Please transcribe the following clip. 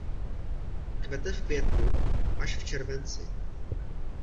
Kvete v květnu až v červenci.